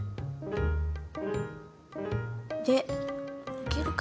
で行けるか。